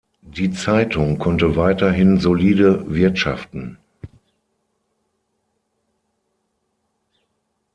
Die Zeitung konnte weiterhin solide wirtschaften.